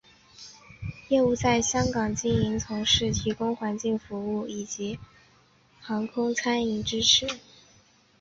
业务在香港经营从事提供环境卫生服务及航空餐饮支持服务。